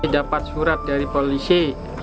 dapat surat dari polisi